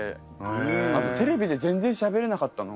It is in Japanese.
あとテレビで全然しゃべれなかったの。